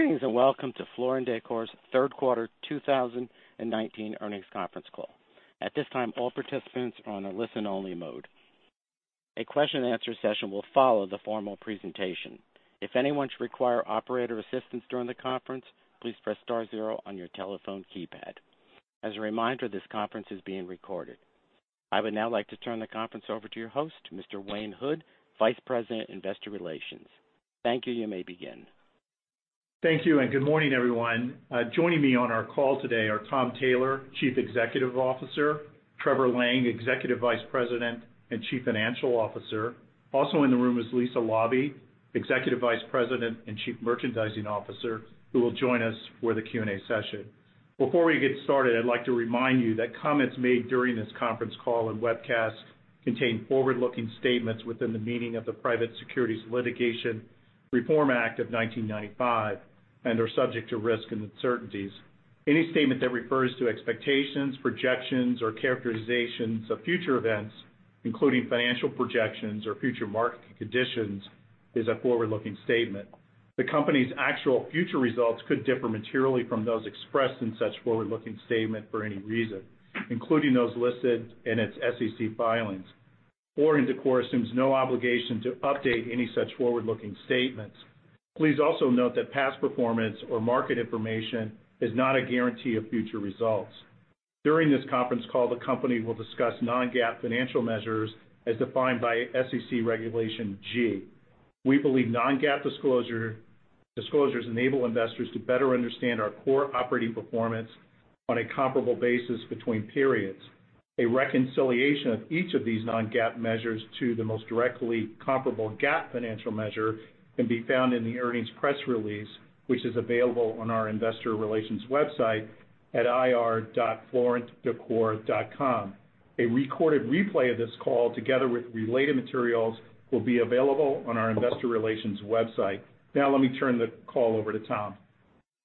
Greetings and welcome to Floor & Decor's third quarter 2019 earnings conference call. At this time, all participants are on a listen-only mode. A question and answer session will follow the formal presentation. If anyone should require operator assistance during the conference, please press star zero on your telephone keypad. As a reminder, this conference is being recorded. I would now like to turn the conference over to your host, Mr. Wayne Hood, Vice President, Investor Relations. Thank you. You may begin. Thank you, and good morning, everyone. Joining me on our call today are Tom Taylor, Chief Executive Officer, Trevor Lang, Executive Vice President and Chief Financial Officer. Also in the room is Lisa Laube, Executive Vice President and Chief Merchandising Officer, who will join us for the Q&A session. Before we get started, I'd like to remind you that comments made during this conference call and webcast contain forward-looking statements within the meaning of the Private Securities Litigation Reform Act of 1995 and are subject to risk and uncertainties. Any statement that refers to expectations, projections, or characterizations of future events, including financial projections or future market conditions, is a forward-looking statement. The company's actual future results could differ materially from those expressed in such forward-looking statement for any reason, including those listed in its SEC filings. Floor & Decor assumes no obligation to update any such forward-looking statements. Please also note that past performance or market information is not a guarantee of future results. During this conference call, the company will discuss non-GAAP financial measures as defined by SEC Regulation G. We believe non-GAAP disclosures enable investors to better understand our core operating performance on a comparable basis between periods. A reconciliation of each of these non-GAAP measures to the most directly comparable GAAP financial measure can be found in the earnings press release, which is available on our investor relations website at ir.floorendecor.com. A recorded replay of this call, together with related materials, will be available on our investor relations website. Now, let me turn the call over to Tom.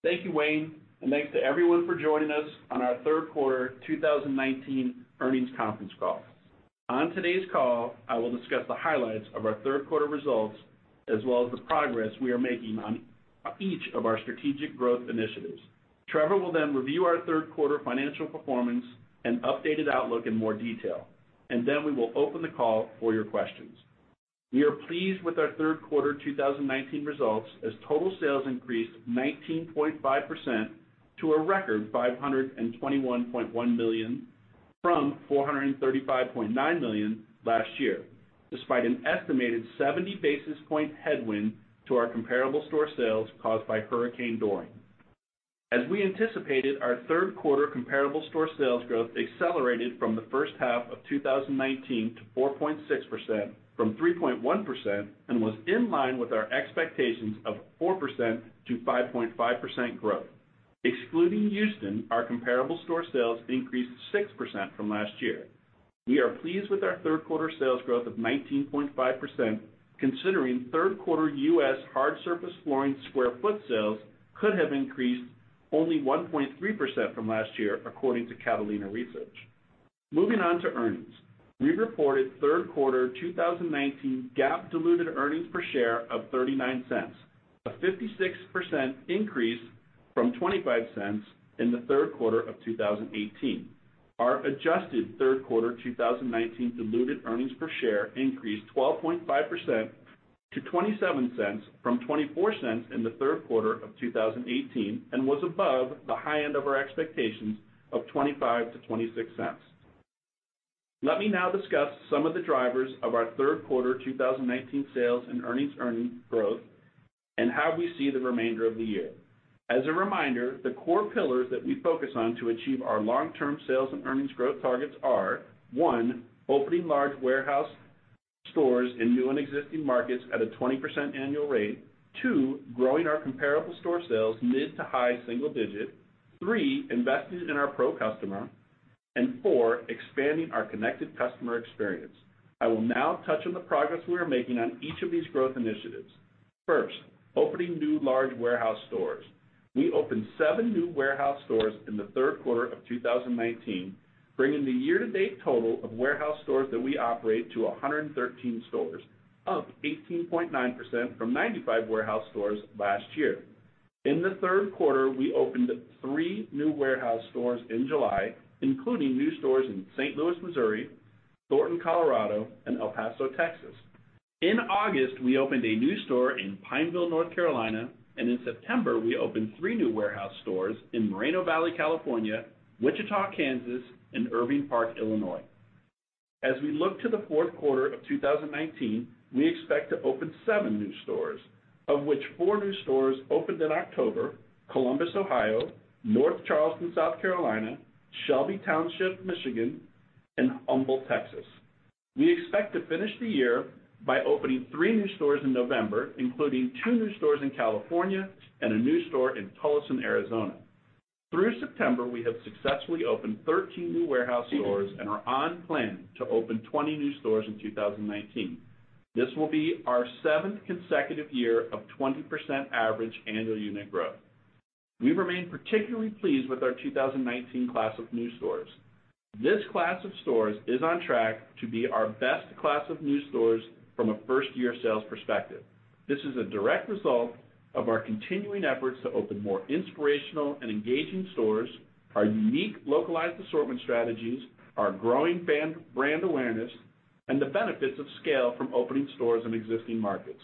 Thank you, Wayne, and thanks to everyone for joining us on our third quarter 2019 earnings conference call. On today's call, I will discuss the highlights of our third quarter results, as well as the progress we are making on each of our strategic growth initiatives. Trevor will then review our third quarter financial performance and updated outlook in more detail, and then we will open the call for your questions. We are pleased with our third quarter 2019 results as total sales increased 19.5% to a record $521.1 million, from $435.9 million last year, despite an estimated 70 basis point headwind to our comparable store sales caused by Hurricane Dorian. As we anticipated, our third quarter comparable store sales growth accelerated from the first half of 2019 to 4.6% from 3.1% and was in line with our expectations of 4.0%-5.5% growth. Excluding Houston, our comparable store sales increased 6% from last year. We are pleased with our third quarter sales growth of 19.5% considering third quarter U.S. hard surface flooring square foot sales could have increased only 1.3% from last year, according to Catalina Research. Moving on to earnings. We reported third quarter 2019 GAAP diluted earnings per share of $0.39, a 56% increase from $0.25 in the third quarter of 2018. Our adjusted third quarter 2019 diluted earnings per share increased 12.5% to $0.27 from $0.24 in the third quarter of 2018 and was above the high end of our expectations of $0.25-$0.26. Let me now discuss some of the drivers of our third quarter 2019 sales and earnings growth and how we see the remainder of the year. As a reminder, the core pillars that we focus on to achieve our long-term sales and earnings growth targets are, One, opening large warehouse stores in new and existing markets at a 20% annual rate. Two, growing our comparable store sales mid to high single digit. Three, investing in our pro customer. Four, expanding our connected customer experience. I will now touch on the progress we are making on each of these growth initiatives. First, opening new large warehouse stores. We opened seven new warehouse stores in the third quarter of 2019, bringing the year-to-date total of warehouse stores that we operate to 113 stores, up 18.9% from 95 warehouse stores last year. In the third quarter, we opened three new warehouse stores in July, including new stores in St. Louis, Missouri, Thornton, Colorado, and El Paso, Texas. In August, we opened a new store in Pineville, North Carolina, and in September, we opened three new warehouse stores in Moreno Valley, California, Wichita, Kansas, and Irving Park, Illinois. As we look to the fourth quarter of 2019, we expect to open seven new stores, of which four new stores opened in October: Columbus, Ohio, North Charleston, South Carolina, Shelby Township, Michigan, and Humble, Texas. We expect to finish the year by opening three new stores in November, including two new stores in California and a new store in Tolleson, Arizona. Through September, we have successfully opened 13 new warehouse stores and are on plan to open 20 new stores in 2019. This will be our seventh consecutive year of 20% average annual unit growth. We remain particularly pleased with our 2019 class of new stores. This class of stores is on track to be our best class of new stores from a first-year sales perspective. This is a direct result of our continuing efforts to open more inspirational and engaging stores, our unique localized assortment strategies, our growing brand awareness, and the benefits of scale from opening stores in existing markets.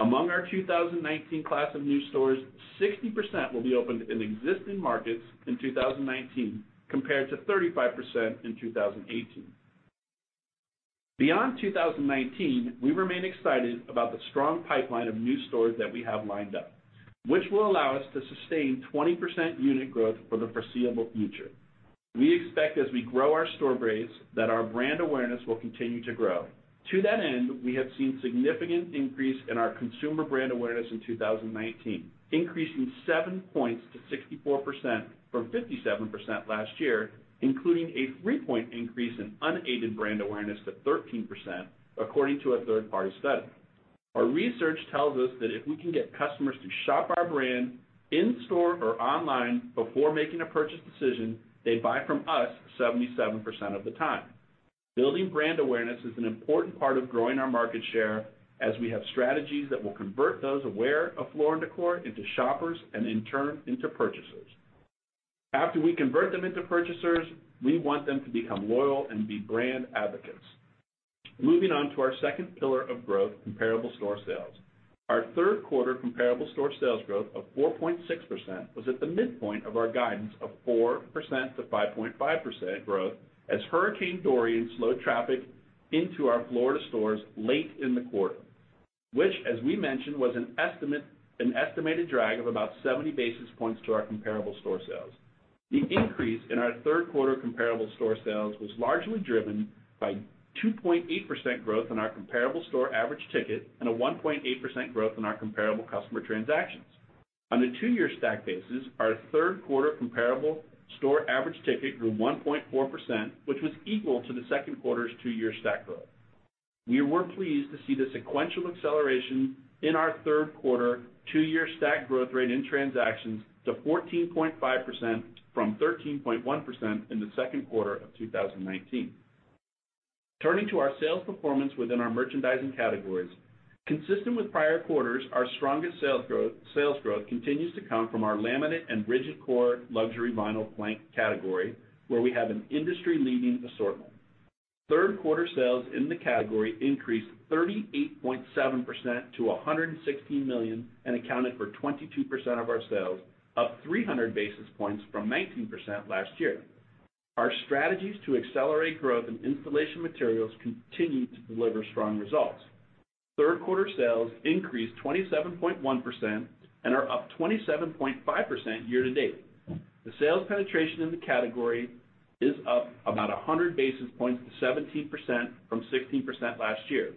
Among our 2019 class of new stores, 60% will be opened in existing markets in 2019 compared to 35% in 2018. Beyond 2019, we remain excited about the strong pipeline of new stores that we have lined up, which will allow us to sustain 20% unit growth for the foreseeable future. We expect, as we grow our store base, that our brand awareness will continue to grow. To that end, we have seen significant increase in our consumer brand awareness in 2019, increasing seven points to 64%, from 57% last year, including a three-point increase in unaided brand awareness to 13%, according to a third-party study. Our research tells us that if we can get customers to shop our brand in store or online before making a purchase decision, they buy from us 77% of the time. Building brand awareness is an important part of growing our market share, as we have strategies that will convert those aware of Floor & Decor into shoppers and in turn, into purchasers. After we convert them into purchasers, we want them to become loyal and be brand advocates. Moving on to our second pillar of growth, comparable store sales. Our third quarter comparable store sales growth of 4.6% was at the midpoint of our guidance of 4%-5.5% growth, as Hurricane Dorian slowed traffic into our Florida stores late in the quarter, which as we mentioned, was an estimated drag of about 70 basis points to our comparable store sales. The increase in our third quarter comparable store sales was largely driven by 2.8% growth in our comparable store average ticket, and a 1.8% growth in our comparable customer transactions. On a two-year stack basis, our third quarter comparable store average ticket grew 1.4%, which was equal to the second quarter's two-year stack growth. We were pleased to see the sequential acceleration in our third quarter, two-year stack growth rate in transactions to 14.5% from 13.1% in the second quarter of 2019. Turning to our sales performance within our merchandising categories. Consistent with prior quarters, our strongest sales growth continues to come from our laminate and rigid core luxury vinyl plank category, where we have an industry-leading assortment. Third quarter sales in the category increased 38.7% to $116 million, and accounted for 22% of our sales, up 300 basis points from 19% last year. Our strategies to accelerate growth in installation materials continue to deliver strong results. Third quarter sales increased 27.1% and are up 27.5% year to date. The sales penetration in the category is up about 100 basis points to 17%, from 16% last year.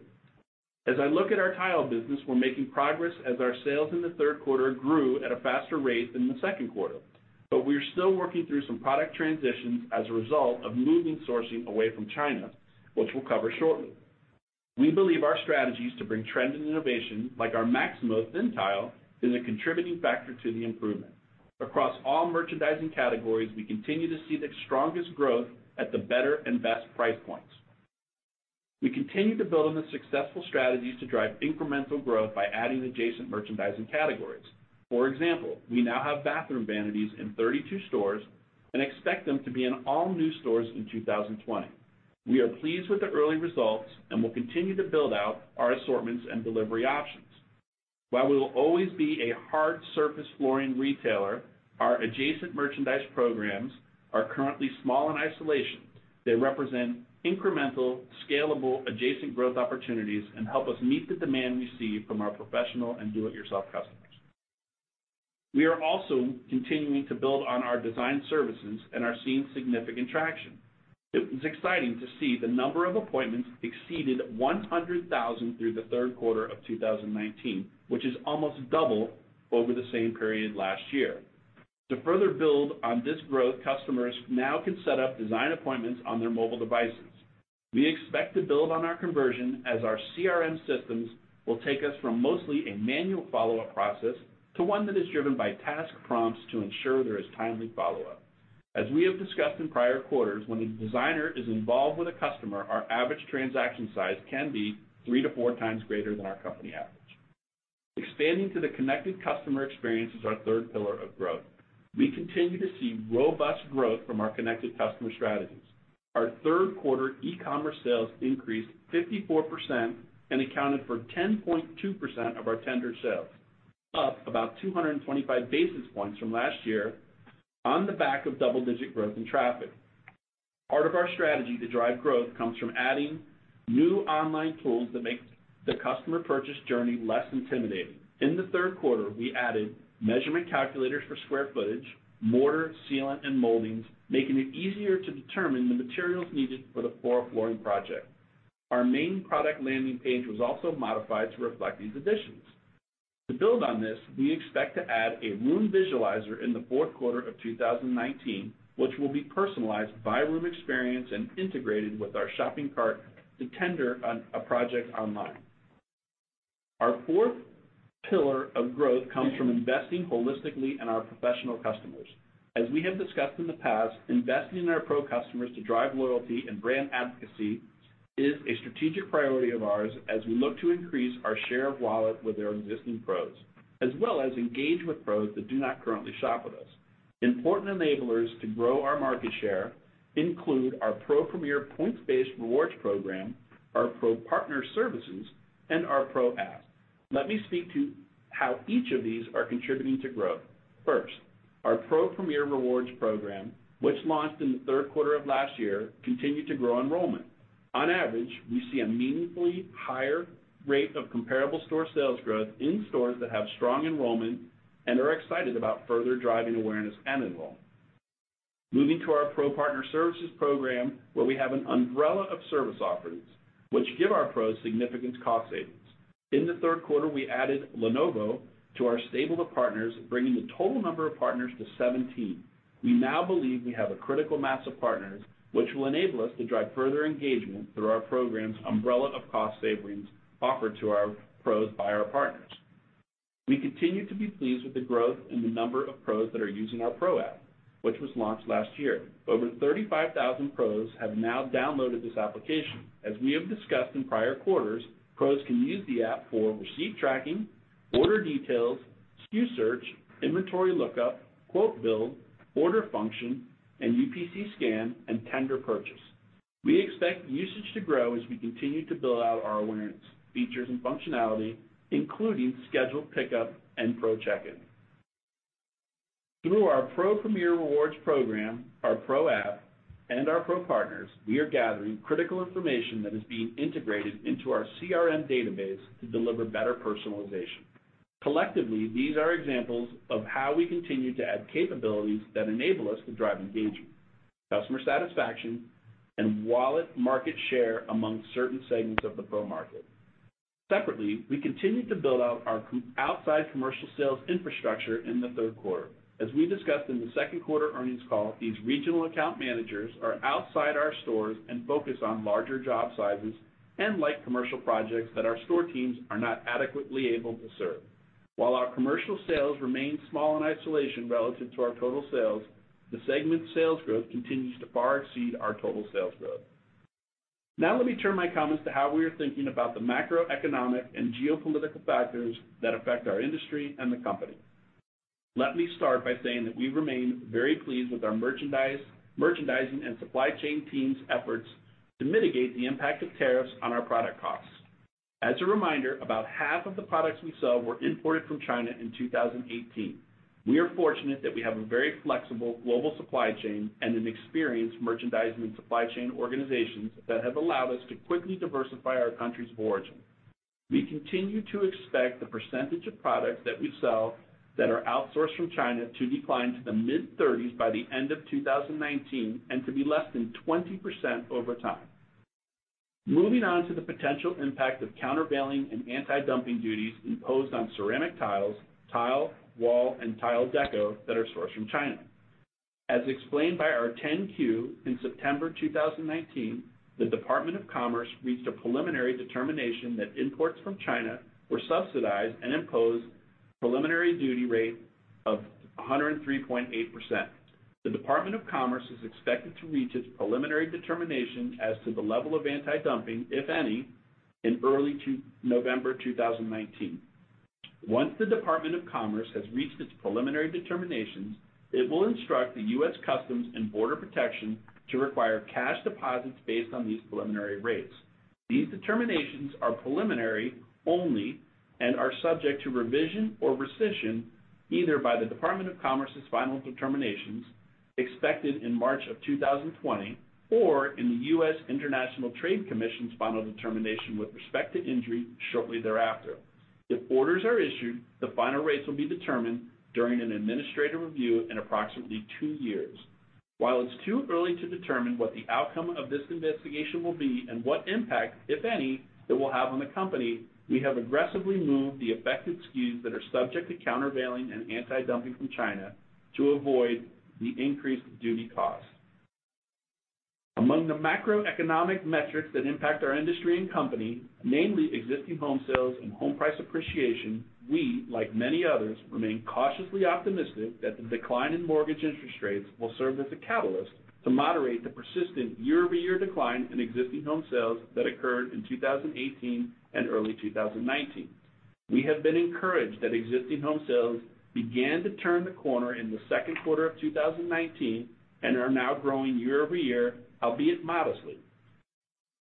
As I look at our tile business, we're making progress as our sales in the third quarter grew at a faster rate than the second quarter. We're still working through some product transitions as a result of moving sourcing away from China, which we'll cover shortly. We believe our strategies to bring trend and innovation, like our Maximo thin tile, is a contributing factor to the improvement. Across all merchandising categories, we continue to see the strongest growth at the better and best price points. We continue to build on the successful strategies to drive incremental growth by adding adjacent merchandising categories. For example, we now have bathroom vanities in 32 stores and expect them to be in all new stores in 2020. We are pleased with the early results and will continue to build out our assortments and delivery options. While we will always be a hard surface flooring retailer, our adjacent merchandise programs are currently small in isolation. They represent incremental, scalable, adjacent growth opportunities and help us meet the demand we see from our professional and do-it-yourself customers. We are also continuing to build on our design services and are seeing significant traction. It was exciting to see the number of appointments exceeded 100,000 through the third quarter of 2019, which is almost double over the same period last year. To further build on this growth, customers now can set up design appointments on their mobile devices. We expect to build on our conversion as our CRM systems will take us from mostly a manual follow-up process to one that is driven by task prompts to ensure there is timely follow-up. As we have discussed in prior quarters, when a designer is involved with a customer, our average transaction size can be three to four times greater than our company average. Expanding to the connected customer experience is our third pillar of growth. We continue to see robust growth from our connected customer strategies. Our third quarter e-commerce sales increased 54% and accounted for 10.2% of our tender sales, up about 225 basis points from last year on the back of double-digit growth in traffic. Part of our strategy to drive growth comes from adding new online tools that make the customer purchase journey less intimidating. In the third quarter, we added measurement calculators for square footage, mortar, sealant, and moldings, making it easier to determine the materials needed for the flooring project. Our main product landing page was also modified to reflect these additions. To build on this, we expect to add a room visualizer in the fourth quarter of 2019, which will be personalized by room experience and integrated with our shopping cart to tender on a project online. Our fourth pillar of growth comes from investing holistically in our professional customers. As we have discussed in the past, investing in our pro customers to drive loyalty and brand advocacy is a strategic priority of ours as we look to increase our share of wallet with our existing pros, as well as engage with pros that do not currently shop with us. Important enablers to grow our market share include our Pro Premier points-based rewards program, our Pro Partner Services, and our Pro app. Let me speak to how each of these are contributing to growth. Our Pro Premier rewards program, which launched in the third quarter of last year, continued to grow enrollment. On average, we see a meaningfully higher rate of comparable store sales growth in stores that have strong enrollment and are excited about further driving awareness and enrollment. Moving to our Pro Partner Services program, where we have an umbrella of service offerings, which give our pros significant cost savings. In the third quarter, we added Lenovo to our stable of partners, bringing the total number of partners to 17. We now believe we have a critical mass of partners, which will enable us to drive further engagement through our program's umbrella of cost savings offered to our pros by our partners. We continue to be pleased with the growth in the number of pros that are using our Pro app, which was launched last year. Over 35,000 pros have now downloaded this application. As we have discussed in prior quarters, pros can use the app for receipt tracking, order details, SKU search, inventory lookup, quote build, order function, and UPC scan, and tender purchase. We expect usage to grow as we continue to build out our awareness, features, and functionality, including scheduled pickup and pro check-in. Through our Pro Premier rewards program, our Pro app, and our Pro partners, we are gathering critical information that is being integrated into our CRM database to deliver better personalization. Collectively, these are examples of how we continue to add capabilities that enable us to drive engagement, customer satisfaction, and wallet market share among certain segments of the pro market. Separately, we continued to build out our outside commercial sales infrastructure in the third quarter. As we discussed in the second quarter earnings call, these regional account managers are outside our stores and focused on larger job sizes and light commercial projects that our store teams are not adequately able to serve. While our commercial sales remain small in isolation relative to our total sales, the segment sales growth continues to far exceed our total sales growth. Let me turn my comments to how we are thinking about the macroeconomic and geopolitical factors that affect our industry and the company. Let me start by saying that we remain very pleased with our merchandising and supply chain team's efforts to mitigate the impact of tariffs on our product costs. As a reminder, about half of the products we sell were imported from China in 2018. We are fortunate that we have a very flexible global supply chain and an experienced merchandising and supply chain organizations that have allowed us to quickly diversify our countries of origin. We continue to expect the percentage of products that we sell that are outsourced from China to decline to the mid-30s by the end of 2019, and to be less than 20% over time. Moving on to the potential impact of countervailing and anti-dumping duties imposed on ceramic tiles, tile, wall, and tile deco that are sourced from China. As explained by our 10-Q in September 2019, the Department of Commerce reached a preliminary determination that imports from China were subsidized and imposed preliminary duty rate of 103.8%. The Department of Commerce is expected to reach its preliminary determination as to the level of anti-dumping, if any, in early November 2019. Once the Department of Commerce has reached its preliminary determinations, it will instruct the U.S. Customs and Border Protection to require cash deposits based on these preliminary rates. These determinations are preliminary only and are subject to revision or rescission either by the Department of Commerce's final determinations expected in March of 2020 or in the U.S. International Trade Commission's final determination with respect to injury shortly thereafter. If orders are issued, the final rates will be determined during an administrative review in approximately two years. While it's too early to determine what the outcome of this investigation will be and what impact, if any, it will have on the company, we have aggressively moved the affected SKUs that are subject to countervailing and anti-dumping from China to avoid the increased duty costs. Among the macroeconomic metrics that impact our industry and company, namely existing home sales and home price appreciation, we, like many others, remain cautiously optimistic that the decline in mortgage interest rates will serve as a catalyst to moderate the persistent year-over-year decline in existing home sales that occurred in 2018 and early 2019. We have been encouraged that existing home sales began to turn the corner in the second quarter of 2019 and are now growing year-over-year, albeit modestly.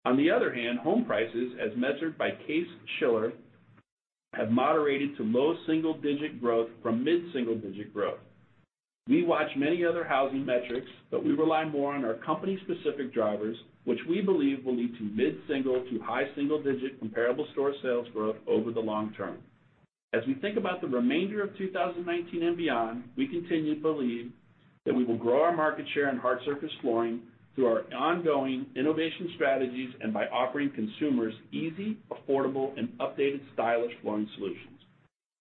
On the other hand, home prices, as measured by Case-Shiller, have moderated to low single-digit growth from mid-single-digit growth. We watch many other housing metrics, but we rely more on our company-specific drivers, which we believe will lead to mid-single to high single-digit comparable store sales growth over the long term. As we think about the remainder of 2019 and beyond, we continue to believe that we will grow our market share in hard surface flooring through our ongoing innovation strategies and by offering consumers easy, affordable, and updated stylish flooring solutions.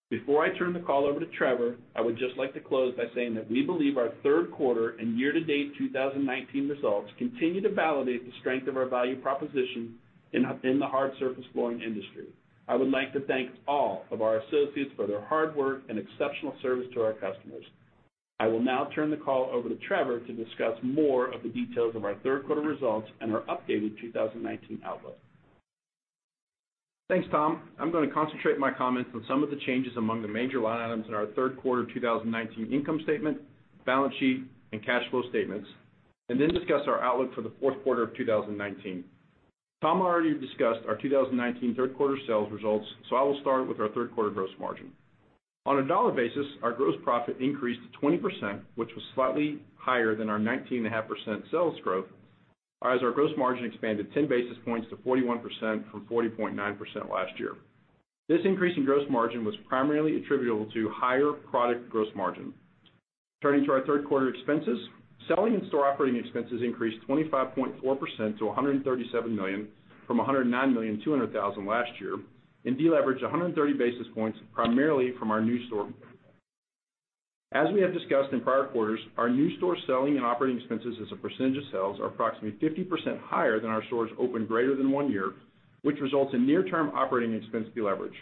Before I turn the call over to Trevor, I would just like to close by saying that we believe our third quarter and year-to-date 2019 results continue to validate the strength of our value proposition in the hard surface flooring industry. I would like to thank all of our associates for their hard work and exceptional service to our customers. I will now turn the call over to Trevor to discuss more of the details of our third quarter results and our updated 2019 outlook. Thanks, Tom. I'm going to concentrate my comments on some of the changes among the major line items in our third quarter 2019 income statement, balance sheet, and cash flow statements, and then discuss our outlook for the fourth quarter of 2019. Tom already discussed our 2019 third quarter sales results, so I will start with our third quarter gross margin. On a dollar basis, our gross profit increased 20%, which was slightly higher than our 19.5% sales growth, as our gross margin expanded 10 basis points to 41% from 40.9% last year. This increase in gross margin was primarily attributable to higher product gross margin. Turning to our third quarter expenses, selling and store operating expenses increased 25.4% to $137 million from $109.2 million last year, and deleveraged 130 basis points primarily from our new store. As we have discussed in prior quarters, our new store selling and operating expenses as a percentage of sales are approximately 50% higher than our stores opened greater than one year, which results in near-term operating expense deleverage.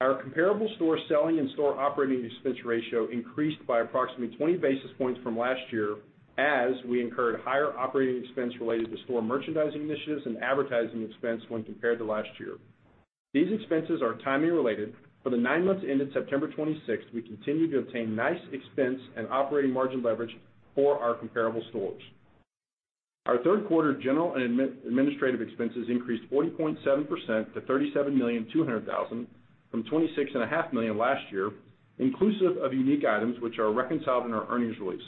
Our comparable store selling and store operating expense ratio increased by approximately 20 basis points from last year, as we incurred higher operating expense related to store merchandising initiatives and advertising expense when compared to last year. These expenses are timing related. For the nine months ended September 26th, we continue to obtain nice expense and operating margin leverage for our comparable stores. Our third quarter general and administrative expenses increased 40.7% to $37,200,000 from $26.5 million last year, inclusive of unique items which are reconciled in our earnings release.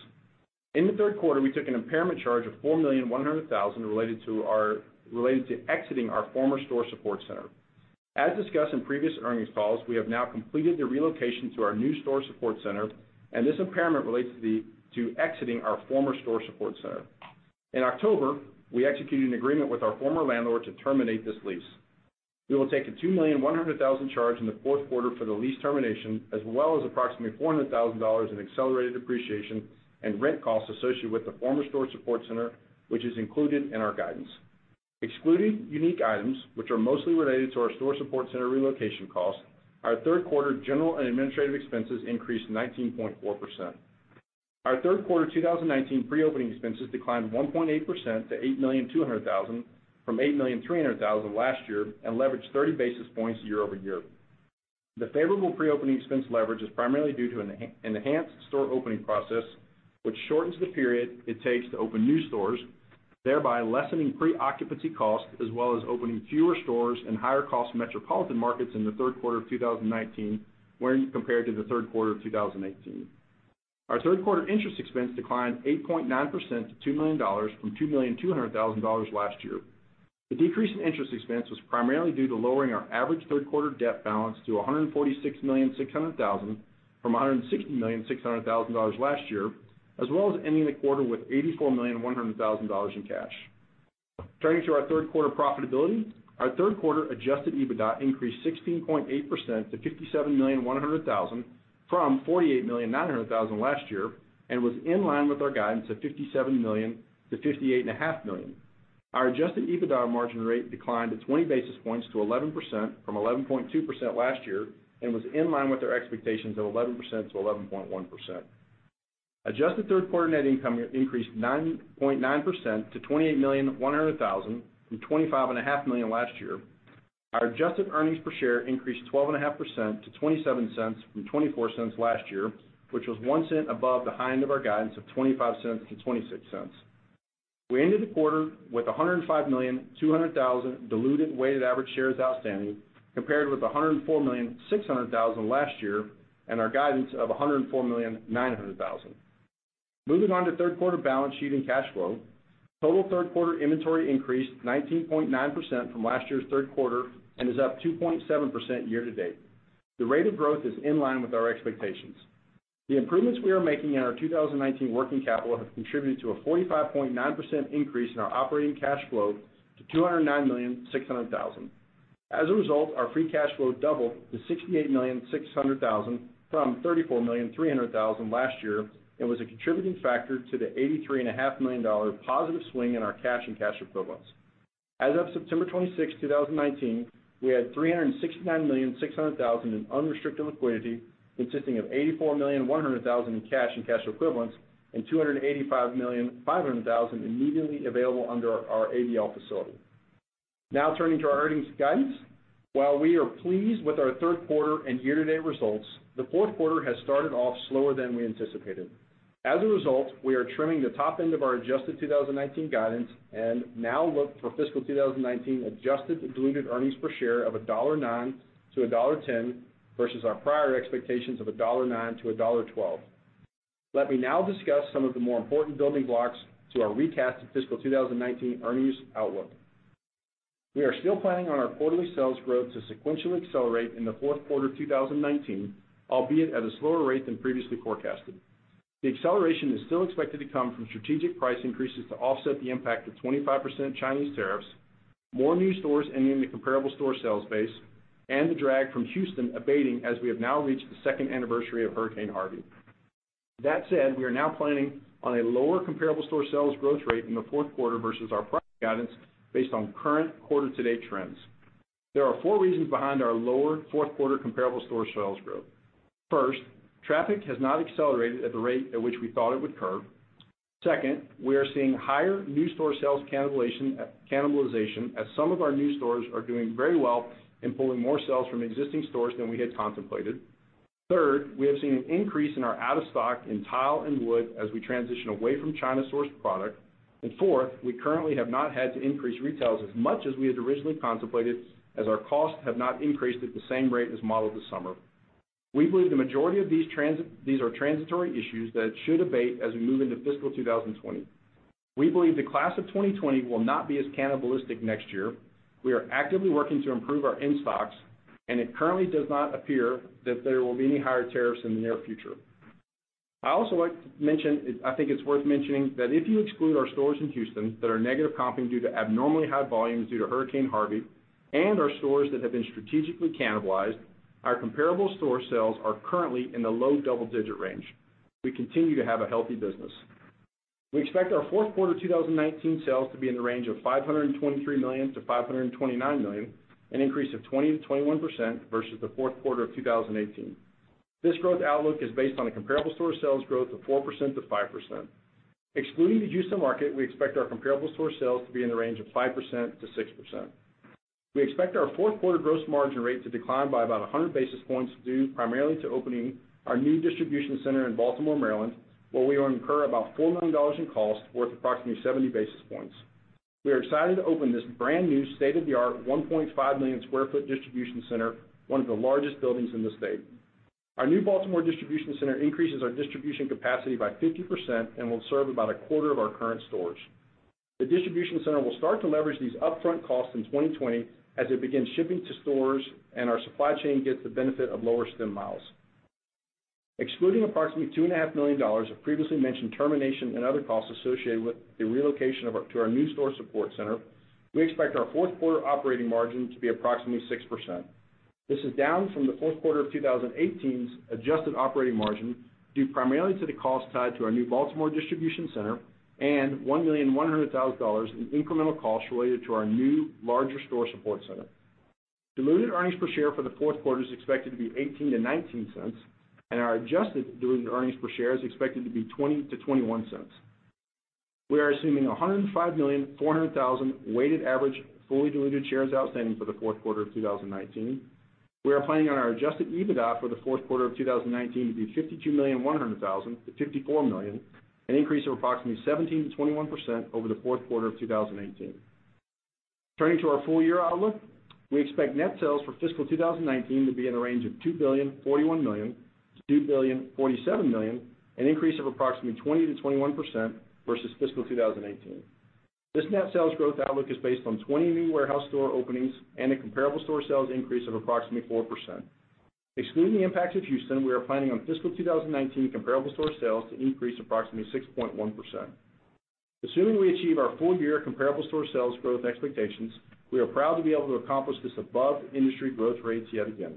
In the third quarter, we took an impairment charge of $4,100,000 related to exiting our former store support center. As discussed in previous earnings calls, we have now completed the relocation to our new Store Support Center, and this impairment relates to exiting our former Store Support Center. In October, we executed an agreement with our former landlord to terminate this lease. We will take a $2,100,000 charge in the fourth quarter for the lease termination, as well as approximately $400,000 in accelerated depreciation and rent costs associated with the former Store Support Center, which is included in our guidance. Excluding unique items, which are mostly related to our Store Support Center relocation costs, our third quarter general and administrative expenses increased 19.4%. Our third quarter 2019 preopening expenses declined 1.8% to $8,200,000 from $8,300,000 last year and leveraged 30 basis points year-over-year. The favorable preopening expense leverage is primarily due to an enhanced store opening process, which shortens the period it takes to open new stores, thereby lessening pre-occupancy costs, as well as opening fewer stores in higher-cost metropolitan markets in the third quarter of 2019 when compared to the third quarter of 2018. Our third quarter interest expense declined 8.9% to $2 million from $2.2 million last year. The decrease in interest expense was primarily due to lowering our average third quarter debt balance to $146.6 million from $160.6 million last year, as well as ending the quarter with $84.1 million in cash. Turning to our third quarter profitability, our third quarter adjusted EBITDA increased 16.8% to $57.1 million from $48.9 million last year and was in line with our guidance of $57 million to $58.5 million. Our adjusted EBITDA margin rate declined 20 basis points to 11% from 11.2% last year and was in line with our expectations of 11% to 11.1%. Adjusted third quarter net income increased 9.9% to $28,100,000 from $25.5 million last year. Our adjusted earnings per share increased 12.5% to $0.27 from $0.24 last year, which was $0.01 above the high end of our guidance of $0.25 to $0.26. We ended the quarter with 105,200,000 diluted weighted average shares outstanding compared with 104,600,000 last year and our guidance of 104,900,000. Moving on to third quarter balance sheet and cash flow. Total third quarter inventory increased 19.9% from last year's third quarter and is up 2.7% year to date. The rate of growth is in line with our expectations. The improvements we are making in our 2019 working capital have contributed to a 45.9% increase in our operating cash flow to $209,600,000. As a result, our free cash flow doubled to $68,600,000 from $34,300,000 last year and was a contributing factor to the $83.5 million positive swing in our cash and cash equivalents. As of September 26th, 2019, we had $369,600,000 in unrestricted liquidity, consisting of $84,100,000 in cash and cash equivalents and $285,500,000 immediately available under our ABL facility. Turning to our earnings guidance. While we are pleased with our third quarter and year-to-date results, the fourth quarter has started off slower than we anticipated. As a result, we are trimming the top end of our adjusted 2019 guidance and now look for fiscal 2019 adjusted diluted earnings per share of $1.09 to $1.10 versus our prior expectations of $1.09 to $1.12. Let me now discuss some of the more important building blocks to our recasted fiscal 2019 earnings outlook. We are still planning on our quarterly sales growth to sequentially accelerate in the fourth quarter 2019, albeit at a slower rate than previously forecasted. The acceleration is still expected to come from strategic price increases to offset the impact of 25% Chinese tariffs. More new stores entering the comparable store sales base and the drag from Houston abating as we have now reached the second anniversary of Hurricane Harvey. That said, we are now planning on a lower comparable store sales growth rate in the fourth quarter versus our prior guidance based on current quarter to date trends. There are four reasons behind our lower fourth quarter comparable store sales growth. First, traffic has not accelerated at the rate at which we thought it would occur. Second, we are seeing higher new store sales cannibalization as some of our new stores are doing very well in pulling more sales from existing stores than we had contemplated. Third, we have seen an increase in our out of stock in tile and wood as we transition away from China-sourced product. Fourth, we currently have not had to increase retails as much as we had originally contemplated, as our costs have not increased at the same rate as modeled this summer. We believe the majority of these are transitory issues that should abate as we move into fiscal 2020. We believe the class of 2020 will not be as cannibalistic next year. We are actively working to improve our in-stocks, and it currently does not appear that there will be any higher tariffs in the near future. I also like to mention, I think it's worth mentioning that if you exclude our stores in Houston that are negative comping due to abnormally high volumes due to Hurricane Harvey, and our stores that have been strategically cannibalized, our comparable store sales are currently in the low double-digit range. We continue to have a healthy business. We expect our fourth quarter 2019 sales to be in the range of $523 million-$529 million, an increase of 20%-21% versus the fourth quarter of 2018. This growth outlook is based on a comparable store sales growth of 4%-5%. Excluding the Houston market, we expect our comparable store sales to be in the range of 5%-6%. We expect our fourth quarter gross margin rate to decline by about 100 basis points, due primarily to opening our new distribution center in Baltimore, Maryland, where we will incur about $4 million in costs worth approximately 70 basis points. We are excited to open this brand new state-of-the-art 1.5-million-square-foot distribution center, one of the largest buildings in the state. Our new Baltimore distribution center increases our distribution capacity by 50% and will serve about a quarter of our current stores. The distribution center will start to leverage these upfront costs in 2020 as it begins shipping to stores and our supply chain gets the benefit of lower stem miles. Excluding approximately $2.5 million of previously mentioned termination and other costs associated with the relocation to our new store support center, we expect our fourth quarter operating margin to be approximately 6%. This is down from the fourth quarter of 2018's adjusted operating margin, due primarily to the cost tied to our new Baltimore distribution center and $1,100,000 in incremental costs related to our new larger store support center. Diluted earnings per share for the fourth quarter is expected to be $0.18-$0.19, and our adjusted diluted earnings per share is expected to be $0.20-$0.21. We are assuming 105,400,000 weighted average fully diluted shares outstanding for the fourth quarter of 2019. We are planning on our adjusted EBITDA for the fourth quarter of 2019 to be $52,100,000-$54 million, an increase of approximately 17%-21% over the fourth quarter of 2018. Turning to our full-year outlook. We expect net sales for fiscal 2019 to be in a range of $2,041 million-$2,047 million, an increase of approximately 20%-21% versus fiscal 2018. This net sales growth outlook is based on 20 new warehouse store openings and a comparable store sales increase of approximately 4%. Excluding the impacts of Houston, we are planning on fiscal 2019 comparable store sales to increase approximately 6.1%. Assuming we achieve our full-year comparable store sales growth expectations, we are proud to be able to accomplish this above industry growth rates yet again.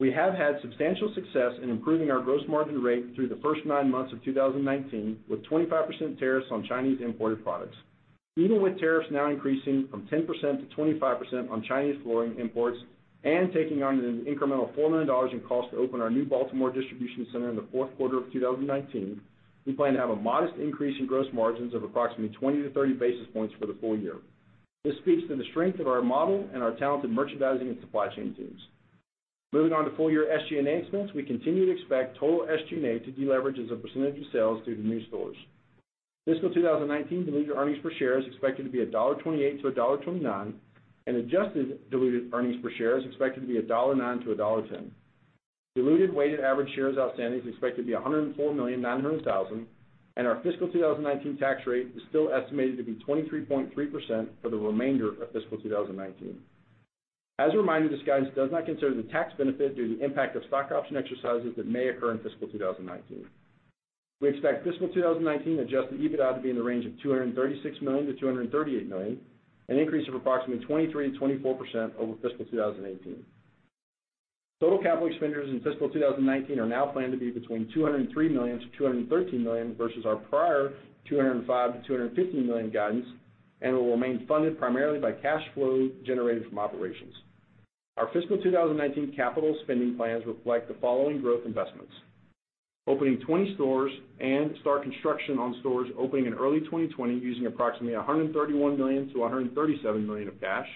We have had substantial success in improving our gross margin rate through the first nine months of 2019, with 25% tariffs on Chinese imported products. Even with tariffs now increasing from 10% to 25% on Chinese flooring imports and taking on an incremental $4 million in cost to open our new Baltimore distribution center in the fourth quarter of 2019, we plan to have a modest increase in gross margins of approximately 20 to 30 basis points for the full year. This speaks to the strength of our model and our talented merchandising and supply chain teams. Moving on to full-year SG&A expenses, we continue to expect total SG&A to deleverage as a percentage of sales due to new stores. Fiscal 2019 diluted earnings per share is expected to be $1.28-$1.29, and adjusted diluted earnings per share is expected to be $1.09-$1.10. Diluted weighted average shares outstanding is expected to be 104,900,000, and our fiscal 2019 tax rate is still estimated to be 23.3% for the remainder of fiscal 2019. As a reminder, this guidance does not consider the tax benefit due to the impact of stock option exercises that may occur in fiscal 2019. We expect fiscal 2019 adjusted EBITDA to be in the range of $236 million-$238 million, an increase of approximately 23%-24% over fiscal 2018. Total capital expenditures in fiscal 2019 are now planned to be between $203 million-$213 million versus our prior $205 million-$215 million guidance, and will remain funded primarily by cash flow generated from operations. Our fiscal 2019 capital spending plans reflect the following growth investments. Opening 20 stores and start construction on stores opening in early 2020 using approximately $131 million-$137 million of cash.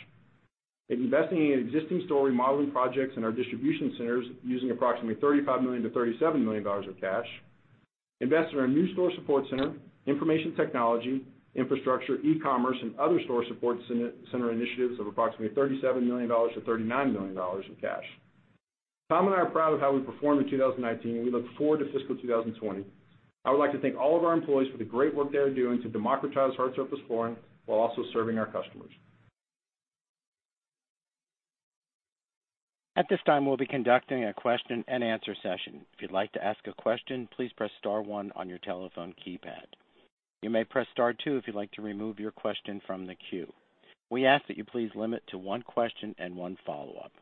Investing in existing store remodeling projects in our distribution centers using approximately $35 million-$37 million of cash. Invest in our new store support center, information technology, infrastructure, e-commerce, and other store support center initiatives of approximately $37 million-$39 million of cash. Tom and I are proud of how we performed in 2019, and we look forward to fiscal 2020. I would like to thank all of our employees for the great work they are doing to democratize hard surface flooring while also serving our customers. At this time, we'll be conducting a question and answer session. If you'd like to ask a question, please press star one on your telephone keypad. You may press star two if you'd like to remove your question from the queue. We ask that you please limit to one question and one follow-up.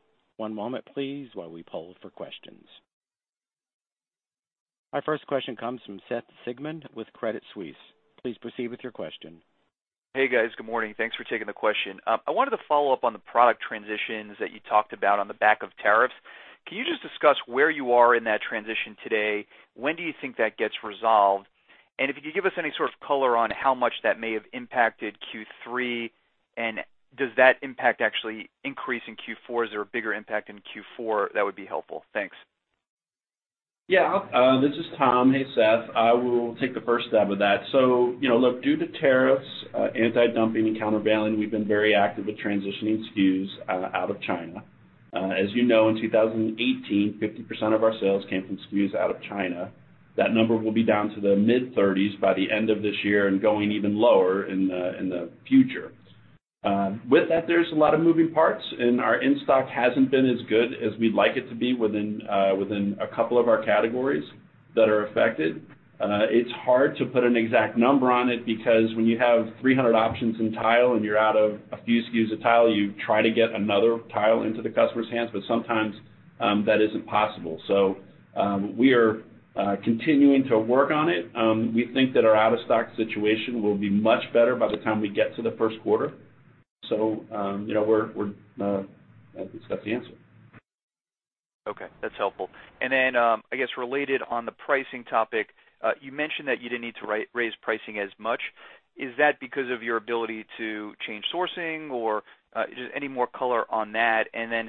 One moment, please, while we poll for questions. Our first question comes from Seth Sigman with Credit Suisse. Please proceed with your question. Hey, guys. Good morning. Thanks for taking the question. I wanted to follow up on the product transitions that you talked about on the back of tariffs. Can you just discuss where you are in that transition today? When do you think that gets resolved? If you could give us any sort of color on how much that may have impacted Q3, and does that impact actually increase in Q4? Is there a bigger impact in Q4? That would be helpful. Thanks. Yeah. This is Tom. Hey, Seth. I will take the first stab of that. Look, due to tariffs, anti-dumping, and countervailing, we've been very active with transitioning SKUs out of China. As you know, in 2018, 50% of our sales came from SKUs out of China. That number will be down to the mid-30s by the end of this year and going even lower in the future. With that, there's a lot of moving parts, and our in-stock hasn't been as good as we'd like it to be within a couple of our categories that are affected. It's hard to put an exact number on it, because when you have 300 options in tile and you're out of a few SKUs of tile, you try to get another tile into the customer's hands, but sometimes that isn't possible. We are continuing to work on it. We think that our out-of-stock situation will be much better by the time we get to the first quarter. I guess that's the answer. Okay, that's helpful. I guess related on the pricing topic, you mentioned that you didn't need to raise pricing as much. Is that because of your ability to change sourcing, or just any more color on that? I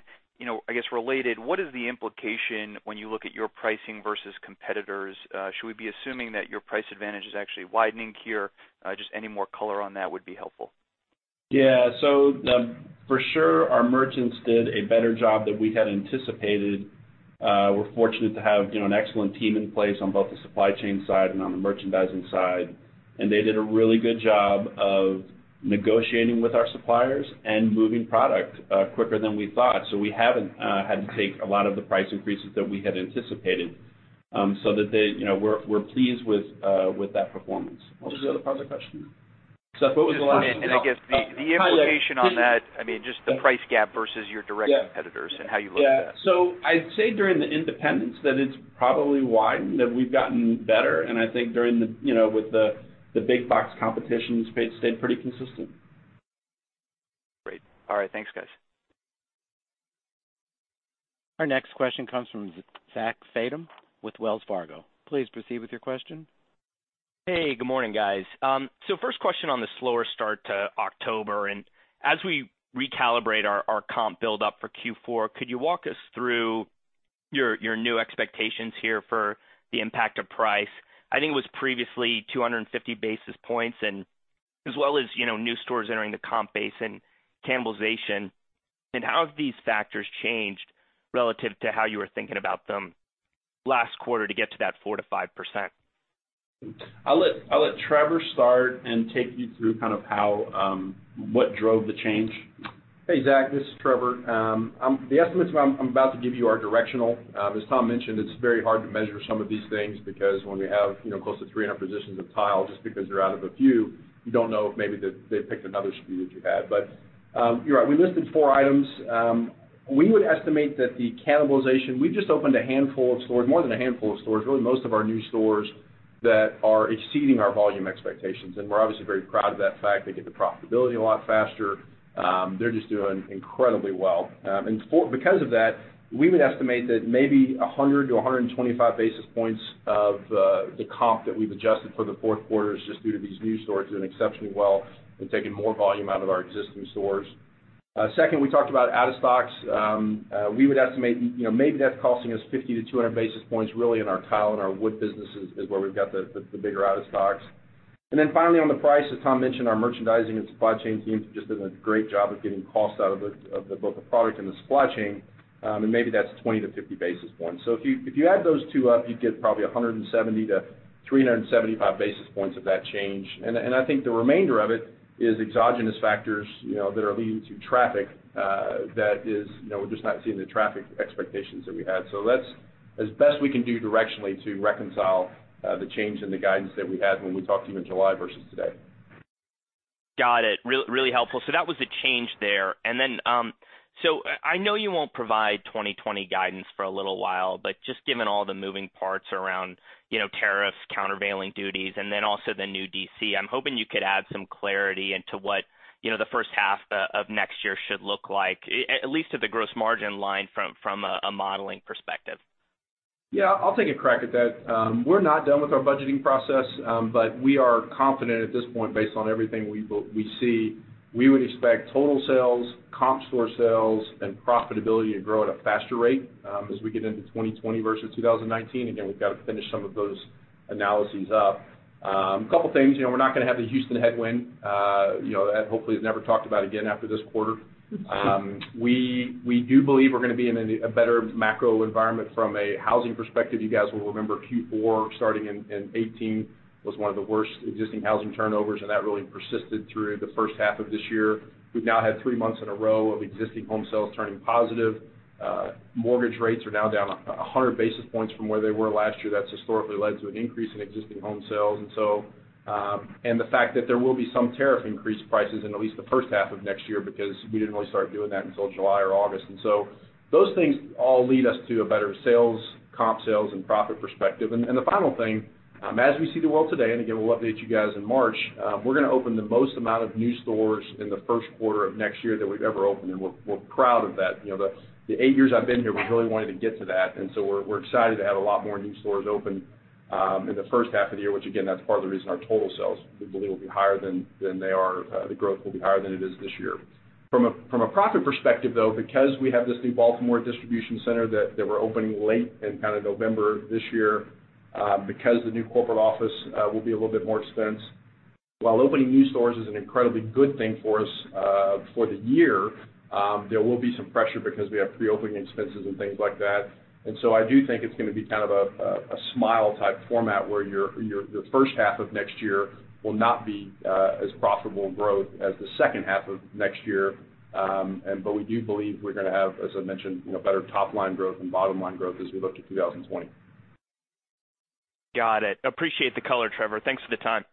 guess related, what is the implication when you look at your pricing versus competitors? Should we be assuming that your price advantage is actually widening here? Just any more color on that would be helpful. Yeah. For sure, our merchants did a better job than we had anticipated. We're fortunate to have an excellent team in place on both the supply chain side and on the merchandising side. They did a really good job of negotiating with our suppliers and moving product quicker than we thought. We haven't had to take a lot of the price increases that we had anticipated. We're pleased with that performance. What was the other part of the question? Seth, what was the last part? I guess the implication on that, just the price gap versus your direct competitors and how you look at that. Yeah. I'd say during the independence that it's probably widened, that we've gotten better, and I think with the big box competition, it's stayed pretty consistent. Great. All right. Thanks, guys. Our next question comes from Zachary Fadem with Wells Fargo. Please proceed with your question. Hey, good morning, guys. First question on the slower start to October, and as we recalibrate our comp build up for Q4, could you walk us through your new expectations here for the impact of price? I think it was previously 250 basis points and as well as new stores entering the comp base and cannibalization. How have these factors changed relative to how you were thinking about them last quarter to get to that 4%-5%? I'll let Trevor start and take you through what drove the change. Hey, Zach, this is Trevor. The estimates I'm about to give you are directional. As Tom mentioned, it's very hard to measure some of these things because when we have close to 300 positions of tiles, just because they're out of a few, you don't know if maybe they picked another SKU that you had. You're right, we listed four items. We would estimate that the cannibalization, we've just opened a handful of stores, more than a handful of stores, really most of our new stores that are exceeding our volume expectations, and we're obviously very proud of that fact. They get to profitability a lot faster. They're just doing incredibly well. Because of that, we would estimate that maybe 100 to 125 basis points of the comp that we've adjusted for the fourth quarter is just due to these new stores doing exceptionally well and taking more volume out of our existing stores. Second, we talked about out of stocks. We would estimate, maybe that's costing us 50 to 200 basis points really in our tile and our wood businesses is where we've got the bigger out of stocks. Finally on the price, as Tom mentioned, our merchandising and supply chain teams have just done a great job of getting costs out of both the product and the supply chain. Maybe that's 20 to 50 basis points. If you add those two up, you'd get probably 170 to 375 basis points of that change. I think the remainder of it is exogenous factors that are leading to traffic that we're just not seeing the traffic expectations that we had. That's as best we can do directionally to reconcile the change in the guidance that we had when we talked to you in July versus today. Got it. Really helpful. That was the change there. I know you won't provide 2020 guidance for a little while, but just given all the moving parts around tariffs, countervailing duties, and then also the new DC, I'm hoping you could add some clarity into what the first half of next year should look like, at least to the gross margin line from a modeling perspective. Yeah, I'll take a crack at that. We're not done with our budgeting process. We are confident at this point, based on everything we see, we would expect total sales, comp store sales, and profitability to grow at a faster rate as we get into 2020 versus 2019. We've got to finish some of those analyses up. A couple of things. We're not going to have the Houston headwind. That hopefully is never talked about again after this quarter. We do believe we're going to be in a better macro environment from a housing perspective. You guys will remember Q4, starting in 2018, was one of the worst existing housing turnovers, and that really persisted through the first half of this year. We've now had three months in a row of existing home sales turning positive. Mortgage rates are now down 100 basis points from where they were last year. That's historically led to an increase in existing home sales. The fact that there will be some tariff increase prices in at least the first half of next year because we didn't really start doing that until July or August. Those things all lead us to a better sales, comp sales, and profit perspective. The final thing, as we see the world today, and again, we'll update you guys in March, we're going to open the most amount of new stores in the first quarter of next year that we've ever opened, and we're proud of that. The eight years I've been here, we've really wanted to get to that, and so we're excited to have a lot more new stores open in the first half of the year, which again, that's part of the reason our total sales, we believe, the growth will be higher than it is this year. From a profit perspective, though, because we have this new Baltimore distribution center that we're opening late in November this year, because the new corporate office will be a little bit more expense. While opening new stores is an incredibly good thing for us for the year, there will be some pressure because we have pre-opening expenses and things like that. I do think it's going to be kind of a smile type format, where your first half of next year will not be as profitable in growth as the second half of next year. We do believe we're going to have, as I mentioned, better top-line growth and bottom-line growth as we look to 2020. Got it. Appreciate the color, Trevor. Thanks for the time.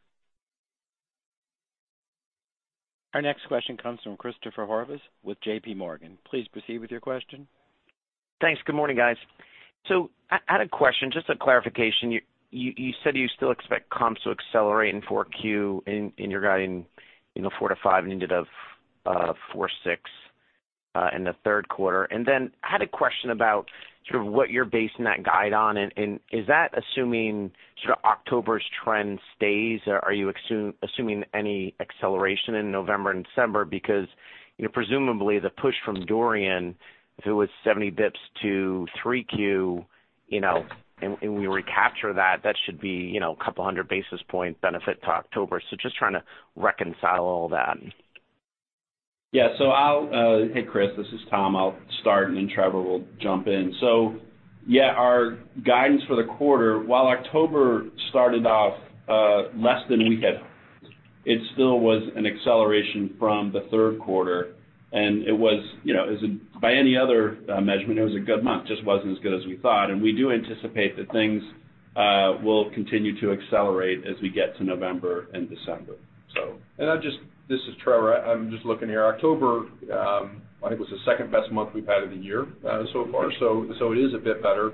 Our next question comes from Christopher Horvers with JP Morgan. Please proceed with your question. Thanks. Good morning, guys. I had a question, just a clarification. You said you still expect comps to accelerate in 4Q in your guiding, 4%-5%, and ended up 4.6% in the third quarter. I had a question about what you're basing that guide on, and is that assuming October's trend stays? Are you assuming any acceleration in November and December? Presumably, the push from Dorian, if it was 70 basis points to 3Q, and we recapture that should be a couple of hundred basis point benefit to October. Just trying to reconcile all that. Hey, Chris. This is Tom. I'll start, then Trevor will jump in. Our guidance for the quarter, while October started off less than we had hoped, it still was an acceleration from the third quarter, and by any other measurement, it was a good month, just wasn't as good as we thought. We do anticipate that things will continue to accelerate as we get to November and December. This is Trevor. I'm just looking here. October, I think, was the second-best month we've had of the year so far. It is a bit better.